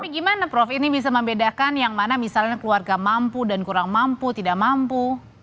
gimana prof ini bisa membedakan yang mana misalnya keluarga mampu dan kurang mampu tidak mampu